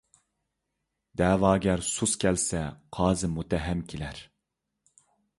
دەۋاگەر سۇس كەلسە، قازى مۇتتەھەم كىلەر.